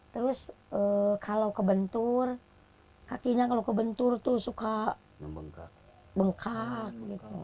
terus kalau ke bentur kakinya kalau ke bentur tuh suka bengkak